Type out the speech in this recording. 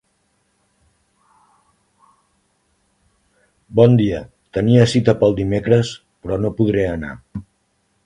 Bon dia, tenia cita pel dimecres, però no podré anar.